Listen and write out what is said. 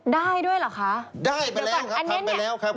ได้ด้วยเหรอคะอันนี้เนี่ยได้ไปแล้วครับทำไปแล้วครับ